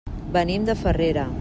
Venim de Farrera.